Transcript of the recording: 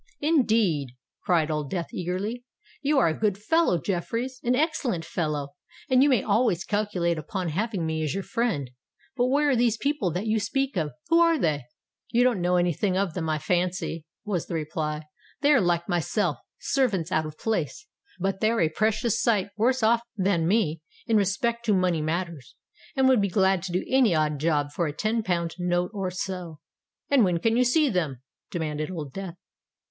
"Indeed!" cried Old Death eagerly. "You are a good fellow, Jeffreys—an excellent fellow; and you may always calculate upon having me as your friend. But where are these people that you speak of?—who are they?" "You don't know any thing of them, I fancy," was the reply. "They are like myself—servants out of place; but they are a precious sight worse off than me in respect to money matters, and would be glad to do any odd job for a ten pound note or so." "And when can you see them?" demanded Old Death.